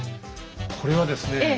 これはですね